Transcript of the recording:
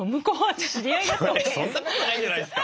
そんなことないんじゃないですか。